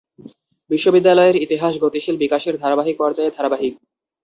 বিশ্ববিদ্যালয়ের ইতিহাস গতিশীল বিকাশের ধারাবাহিক পর্যায়ে ধারাবাহিক।